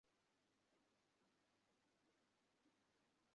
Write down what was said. Sam Latvia থেকে এসেছে।